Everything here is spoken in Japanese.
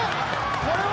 これは。